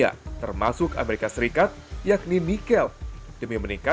apa yang akan berarti untuk mereka